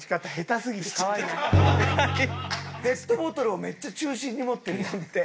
ペットボトルをめっちゃ中心に持ってるやん。